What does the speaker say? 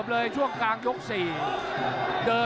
โดนท่องโดนท่องมีอาการ